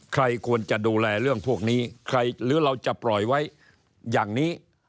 ใครควรจะดูแลเรื่องพวกนี้หรือเราจะปล่อยไว้อย่างนี้